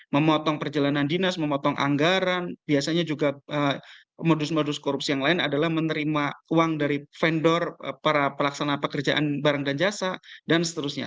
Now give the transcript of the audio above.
memotong perjalanan dinas memotong anggaran biasanya juga modus modus korupsi yang lain adalah menerima uang dari vendor para pelaksana pekerjaan barang dan jasa dan seterusnya